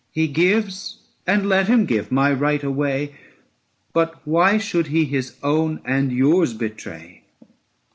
He gives, and let him give, my right away ; But why should he his own and yours betray?